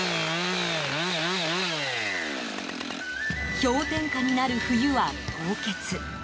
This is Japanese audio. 氷点下になる冬は凍結。